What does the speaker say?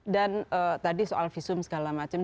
dan tadi soal visum segala macam